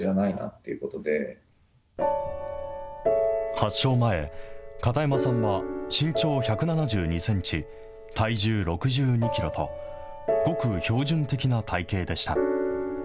発症前、片山さんは身長１７２センチ、体重６２キロと、ごく標準的な体型でした。